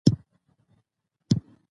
په افغانستان کې د آمو سیند ډېرې منابع شته.